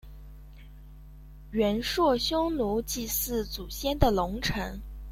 元朔匈奴祭祀祖先的龙城。